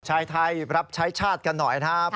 ชายไทยรับใช้ชาติกันหน่อยนะครับ